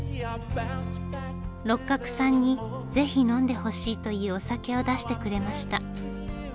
六角さんに是非呑んでほしいというお酒を出してくれました。